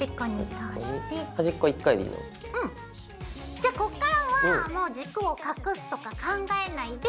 じゃこっからはもう軸を隠すとか考えないで。